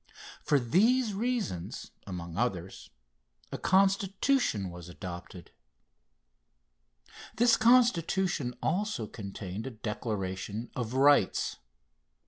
For these reasons, among others, a Constitution was adopted. This Constitution also contained a declaration of rights.